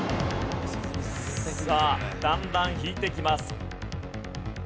さあだんだん引いてきます。